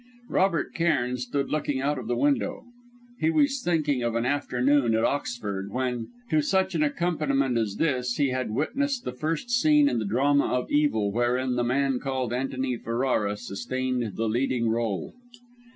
Robert Cairn stood looking out of the window. He was thinking of an afternoon at Oxford, when, to such an accompaniment as this, he had witnessed the first scene in the drama of evil wherein the man called Antony Ferrara sustained the leading rôle.